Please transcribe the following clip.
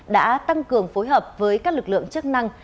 đã tăng cường phối hợp với các lực lượng chức năng